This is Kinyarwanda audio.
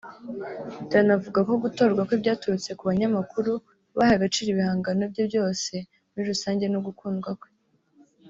Danny avugako gutorwa kwe byaturutse ku banyamakuru bahaye agaciro ibihangano bye byose muri rusange n’ugukundwa kwe